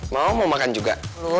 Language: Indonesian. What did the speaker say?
mau mau makan juga